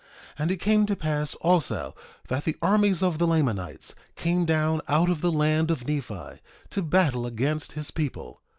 1:13 And it came to pass also that the armies of the Lamanites came down out of the land of Nephi, to battle against his people.